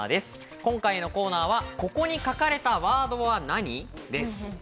今回のコーナーは、「ここに書かれたワードは何？」です。